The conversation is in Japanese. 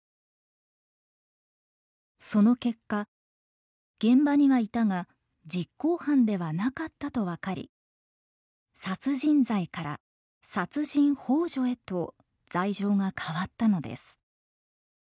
その結果現場にはいたが実行犯ではなかったと分かり殺人罪から殺人ほう助へと罪状が変わったのです。